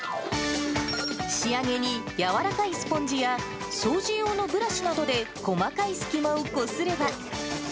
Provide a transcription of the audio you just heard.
仕上げに柔らかいスポンジや、掃除用のブラシなどで細かい隙間をこすれば。